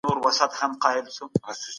د مځکي لاندي زېرمې زموږ د هیواد مال دی.